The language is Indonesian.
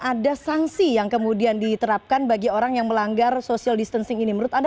ada sanksi yang kemudian diterapkan bagi orang yang melanggar social distancing ini menurut anda